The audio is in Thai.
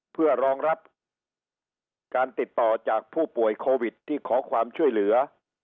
เพื่อรองรับการติดต่อจากผู้ป่วยโควิดที่ขอความช่วยเหลือ